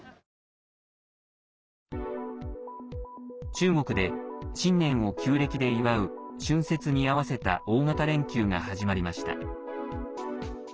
中国で新年を旧暦で祝う春節に合わせた大型連休が始まりました。